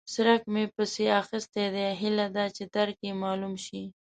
څرک مې پسې اخيستی دی؛ هيله ده چې درک يې مالوم شي.